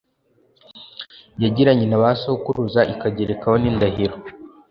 yagiranye na ba sokuruza ikagerekaho n’indahiro. “